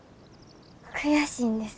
悔しいんです。